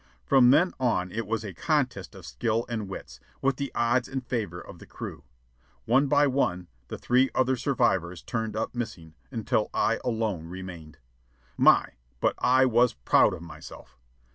From then on it was a contest of skill and wits, with the odds in favor of the crew. One by one the three other survivors turned up missing, until I alone remained. My, but I was proud of myself!